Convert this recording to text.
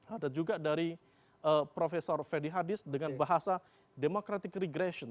ada juga dari profesor fedy hadis dengan bahasa democratic regression